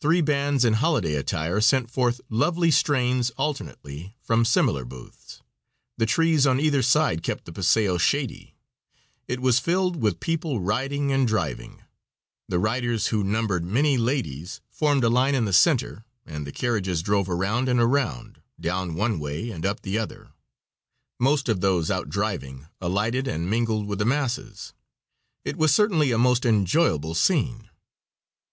Three bands in holiday attire sent forth lovely strains, alternately, from similar booths; the trees on either side kept the paseo shady. It was filled with people riding and driving; the riders, who numbered many ladies, formed a line in the center and the carriages drove around and around, down one way and up the other. Most of those out driving alighted and mingled with the masses, it was certainly a most enjoyable scene.